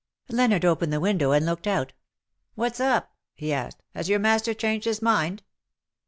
Leonard opened the window, and looked out. "What's up?'' he asked '^ Has your master changed his mind